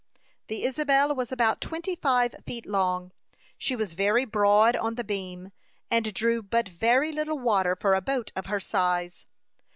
The Isabel was about twenty five feet long. She was very broad on the beam, and drew but very little water for a boat of her size.